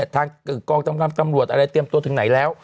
ทางกองกำลังตำรวจอะไรเตรียมตัวถึงไหนแล้ว